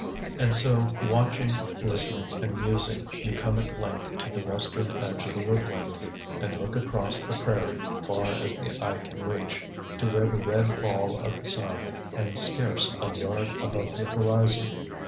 And so watching, listening, and musing you come at length to the western edge of the woodland and look across the prairie, far as the eye can reach, to where the red ball of the sun hangs scarce a yard above the horizon.